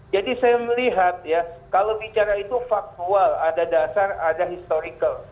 jadi saya melihat ya kalau bicara itu faktual ada dasar ada historical